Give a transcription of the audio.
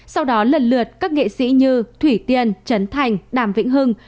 sau đó lần lượt các nghệ sĩ như thủy tiên trấn thành đàm vĩnh hưng